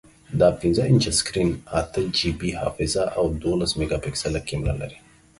دا پنځه انچه سکرین، اته جی بی حافظه، او دولس میګاپکسله کیمره لري.